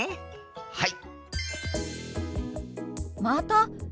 はい！